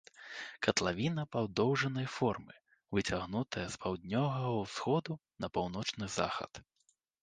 Катлавіна падоўжанай формы, выцягнутая з паўднёвага ўсходу на паўночны захад.